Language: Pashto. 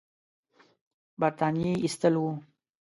برټانیې ایستل وو.